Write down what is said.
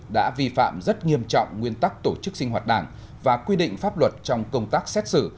đã vi phạm rất nghiêm trọng nguyên tắc tổ chức sinh hoạt đảng và quy định pháp luật trong công tác xét xử